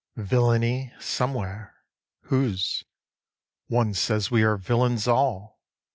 5. Villainy somewhere! whose? One says, we are villains all.